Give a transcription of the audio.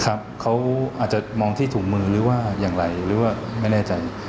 เขาอาจจะมองที่ถุงมือหรือว่าอย่างไรหรือว่าไม่แน่ใจ